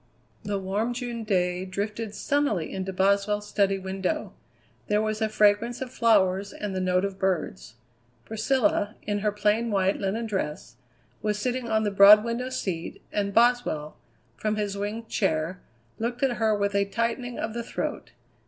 The warm June day drifted sunnily into Boswell's study window. There was a fragrance of flowers and the note of birds. Priscilla, in her plain white linen dress, was sitting on the broad window seat, and Boswell, from his winged chair, looked at her with a tightening of the throat.